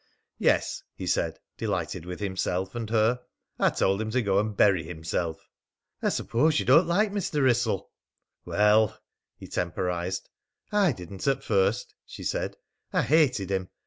"Yes," he said, delighted with himself and her, "I told him to go and bury himself!" "I suppose you don't like Mr. Wrissell?" "Well " he temporised. "I didn't at first," she said. "I hated him.